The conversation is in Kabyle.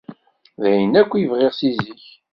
D ayen akk i bɣiɣ si zik.